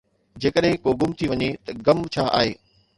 جيڪڏهن ڪو گم ٿي وڃي ته غم ڇا آهي؟